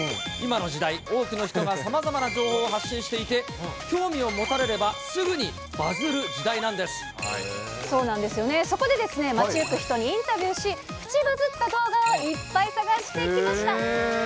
今の時代、多くの人がさまざまな情報を発信していて、興味を持たれれば、すぐにバズる時代なんでそうなんですよね。そこで街行く人にインタビューし、プチバズった動画をいっぱい探してきました。